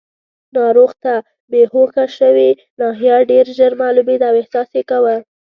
ناروغ ته بېهوښه شوې ناحیه ډېر ژر معلومېده او احساس یې کاوه.